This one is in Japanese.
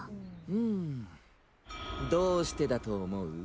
うんどうしてだと思う？